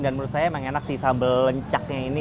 dan menurut saya emang enak sih sambal lencaknya ini